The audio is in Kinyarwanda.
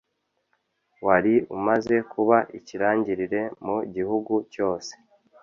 wari umaze kuba ikirangirire mu gihugu cyose